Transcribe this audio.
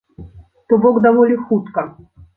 То бок даволі хутка.